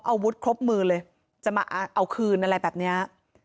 อาวุธครบมือเลยจะมาเอาคืนอะไรแบบนี้